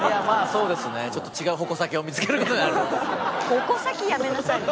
「矛先」やめなさいよ。